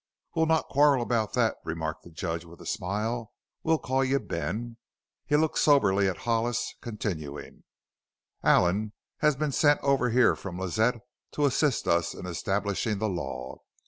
"We'll not quarrel about that," remarked the Judge with a smile; "we'll call you Ben." He looked soberly at Hollis, continuing: "Allen has been sent over here from Lazette to assist us in establishing the law.